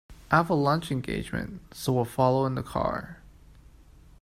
I have a lunch engagement, so will follow in the car.